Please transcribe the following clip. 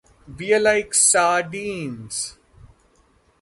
We were like sardines.